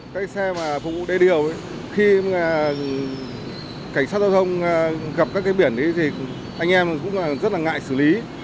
cái xe mà phục vụ đê điều ấy khi cảnh sát giao thông gặp các cái biển ấy thì anh em cũng rất là ngại xử lý